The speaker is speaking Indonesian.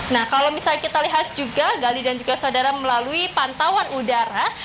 nah kalau misalnya kita lihat juga gali dan juga saudara melalui pantauan udara